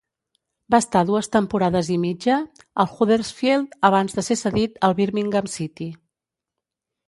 Va estar dues temporades i mitja al Huddersfield abans de ser cedit al Birmingham City.